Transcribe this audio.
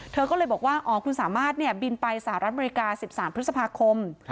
เธอก็เลยบอกว่าอ๋อคุณสามารถบินไปสหรัฐอเมริกา๑๓พฤษภาคม